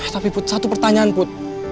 tapi satu pertanyaan put